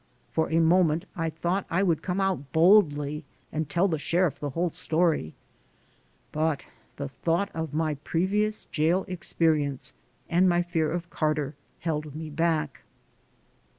For a moment I thought I would come out boldly and tell the sheriff the whole story. But the thought of my previous jail experience and my fear of Car ter held me back.